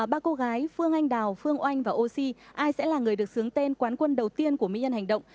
ba cô gái phương anh đào phương oanh và ô si ai sẽ là người được sướng tên quán quân đầu tiên của mỹ nhân hành động